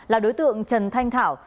là đối tượng trần thanh thảo